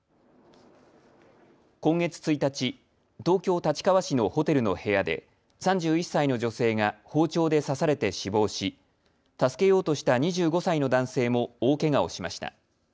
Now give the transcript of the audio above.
今月１日、東京立川市のホテルの部屋で３１歳の女性が包丁で刺されて死亡し、助けようとした２５歳の男性も大けがをしました。